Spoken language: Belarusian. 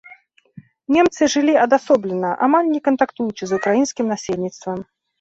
Немцы жылі адасоблена, амаль не кантактуючы з украінскім насельніцтвам.